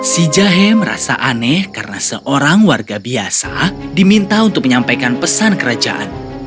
si jahe merasa aneh karena seorang warga biasa diminta untuk menyampaikan pesan kerajaan